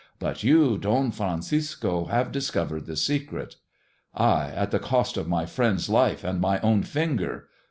But you, Don Francisco, have discovered the secret." "Ay, at the cost of my friend's life and my own finger.